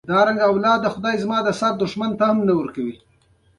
افغانستان کې د پسه لپاره دپرمختیا پروګرامونه شته.